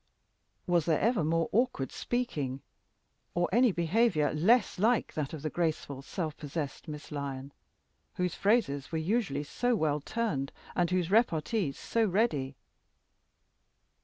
Was there ever more awkward speaking? or any behavior less like that of the graceful, self possessed Miss Lyon, whose phrases were usually so well turned, and whose repartees were so ready?